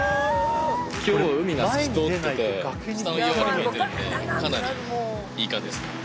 今日は海が透き通ってて下の岩まで見えてるんでかなりいい感じですね